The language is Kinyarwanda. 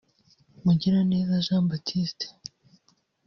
Mugiraneza Jean Baptiste